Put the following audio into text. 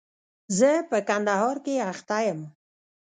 زه په کندهار کښي اخته يم.